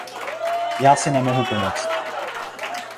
Já si nemohu pomoct.